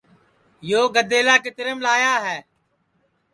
یو گَِدیلا کِتریم لایا ہے